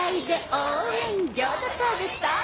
応援応援ギョーザ食べたい！